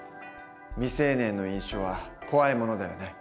未成年の飲酒は怖いものだよね。